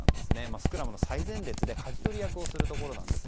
スクラムの最前列でかじ取り役をするポジションです。